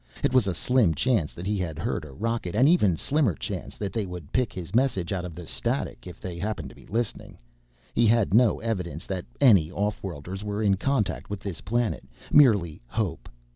It was a slim chance that he had heard a rocket, and even slimmer chance that they would pick his message out of the static if they happened to be listening. He had no evidence that any off worlders were in contact with this planet, merely hope.